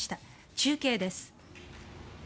中継です。